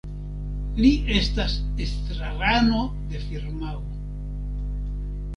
Li estas estrarano de firmao.